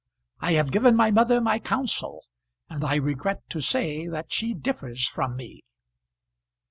I have given my mother my counsel, and I regret to say that she differs from me."